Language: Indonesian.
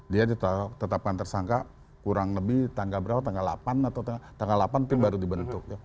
dia ditetapkan tersangka kurang lebih tanggal berapa tanggal delapan atau tanggal delapan tim baru dibentuk